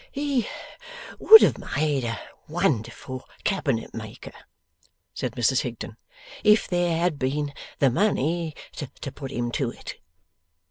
He would have made a wonderful cabinet maker, said Mrs Higden, 'if there had been the money to put him to it.